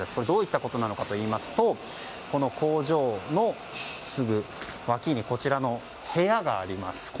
どういったことなのかといいますとこの工場のすぐ脇に部屋があります。